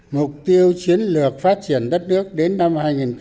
mục tiêu chiến lược phát triển đất nước đến năm hai nghìn ba mươi